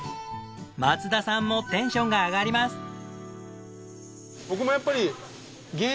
松田さんもテンションが上がります。